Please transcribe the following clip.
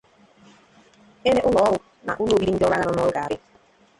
ebe ụlọọrụ na ụlọ obibi ndị ọrụ agha nọ n'ọrụ ga-adị